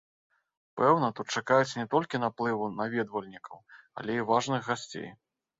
Пэўна, тут чакаюць не толькі наплыву наведвальнікаў, але і важных гасцей.